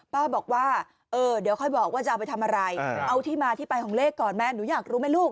บอกว่าเออเดี๋ยวค่อยบอกว่าจะเอาไปทำอะไรเอาที่มาที่ไปของเลขก่อนแม่หนูอยากรู้ไหมลูก